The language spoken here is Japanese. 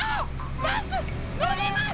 バスのります！